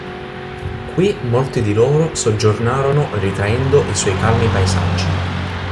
Qui molti di loro soggiornarono ritraendo i suoi calmi paesaggi.